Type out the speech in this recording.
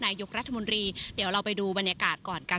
นายกรัฐมนตรีเดี๋ยวเราไปดูบรรยากาศก่อนกัน